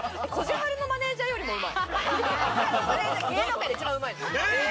こじはるのマネージャーよりうまい。